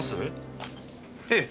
ええ。